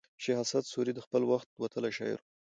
شېخ اسعد سوري د خپل وخت وتلى شاعر وو.